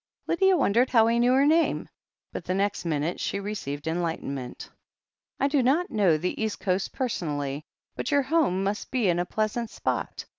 Lydia wondered how he knew her name, but the next minute she received enlightenment. "I do not know the East Coast personally, but your home must be in a pleasant spot.